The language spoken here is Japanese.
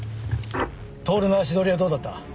透の足取りはどうだった？